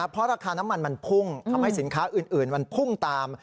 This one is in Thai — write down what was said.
เพราะราคาน้ำมันมันพุ่งทำให้สินค้าอื่นมันพุ่งตาม